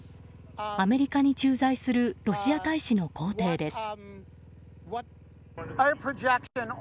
アメリカに駐在するロシア大使の公邸です。